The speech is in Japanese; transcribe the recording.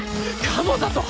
「かも」だと？